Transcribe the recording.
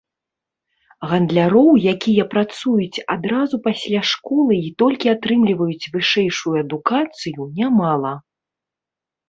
Гандляроў, якія працуюць адразу пасля школы і толькі атрымліваюць вышэйшую адукацыю, нямала.